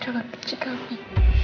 jangan benci kami